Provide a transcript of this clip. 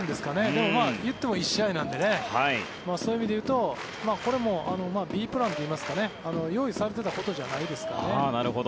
でも、言っても１試合なのでそういう意味で言うとこれもＢプランといいますか用意されていたことじゃないですからね。